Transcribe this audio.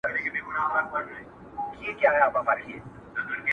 یوازي په خپل ځان به سې شهید او غازي دواړه!!